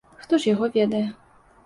Хто ж яго ведае?